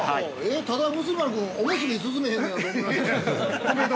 ◆ただ、むすび丸君、おむすび勧めへんねやと思いましたけど。